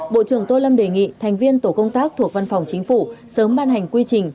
bộ trưởng tô lâm đề nghị thành viên tổ công tác thuộc văn phòng chính phủ sớm ban hành quy trình